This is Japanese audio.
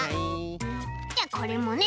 じゃあこれもね